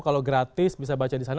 kalau gratis bisa baca disana